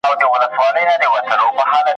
نفس خیژي له ځګره، حال می نه پوښتې دلبره